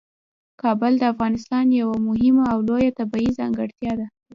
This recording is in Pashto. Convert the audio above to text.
کابل د افغانستان یوه مهمه او لویه طبیعي ځانګړتیا ده.